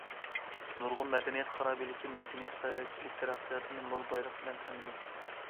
نۇرغۇن مەدەنىيەت خارابىلىكى مەدەنىيەت، ساياھەتچىلىك تەرەققىياتىنى مول بايلىق بىلەن تەمىنلىدى.